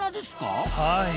はい。